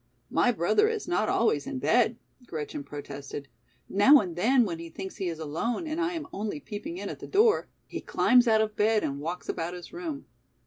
"My brother is not always in bed," Gretchen protested. "Now and then when he thinks he is alone, and I am only peeping in at the door, he climbs out of bed and walks about his room.